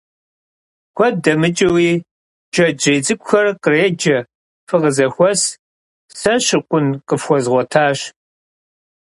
Куэд дэмыкӀыуи джэджьей цӀыкӀухэр къреджэ: фыкъызэхуэс, сэ щыкъун къыфхуэзгъуэтащ!